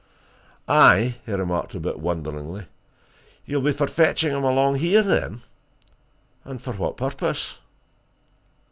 "Aye?" he remarked, a bit wonderingly. "You'll be for fetching him along here, then? And for what purpose?"